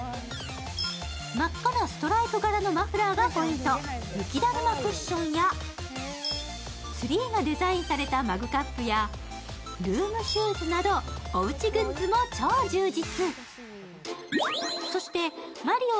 真っ赤なストライプ柄のマフラーがポイント、雪だるまクッションやツリーがデザインされたマグカップやルームシューズなど、おうちグッズも超充実。